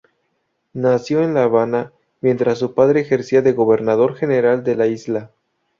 Nació en La Habana, mientras su padre ejercía de Gobernador General de la isla.